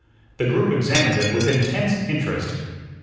The group examined it with intense interest.